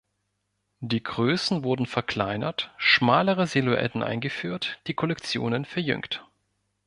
Die Größen wurden verkleinert, schmalere Silhouetten eingeführt, die Kollektionen verjüngt.